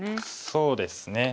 そうですね。